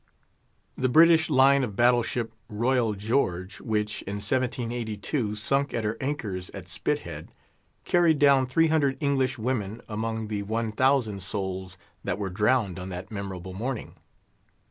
The British line of battle ship, Royal George, which in 1782 sunk at her anchors at Spithead, carried down three hundred English women among the one thousand souls that were drowned on that memorable morning.